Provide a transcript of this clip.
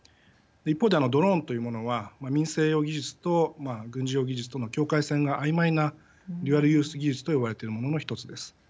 一方で、ドローンというものは民生用技術と軍事用技術との境界線があいまいなデュアルユース技術と呼ばれているものの一つです。